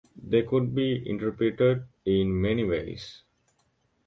They could be interpreted in many ways.